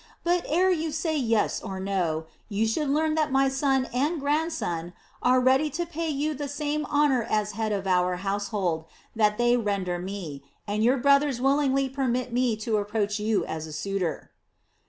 But ere you say yes or no, you should learn that my son and grandson are ready to pay you the same honor as head of our household that they render me, and your brothers willingly permitted me to approach you as a suitor."